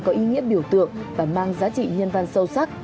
có ý nghĩa biểu tượng và mang giá trị nhân văn sâu sắc